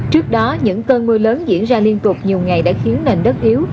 trước đó những cơn mưa lớn diễn ra liên tục nhiều ngày đã khiến nền đất yếu